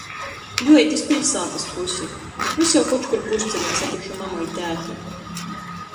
Juoīt iz piļsātys pusi! Vys jau koč kur pusceļā satikšu mamu i tēti.